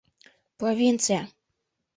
Провинция!